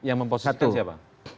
yang memposisikan siapa